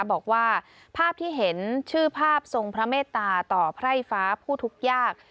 บอกว่าภาพที่เห็นชื่อภาพทรงพระเมตตาต่อไพร่ฟ้าผู้ทุกข์ยาก